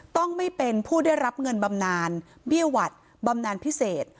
ต้องไม่เป็นผู้ได้รับเงินบำนานเบี้ยหวัดบำนานพิเศษ